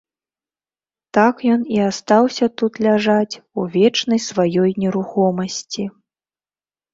Так ён і астаўся тут ляжаць у вечнай сваёй нерухомасці.